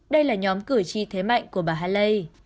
đây là nhóm cử tri thế mạnh của bà haley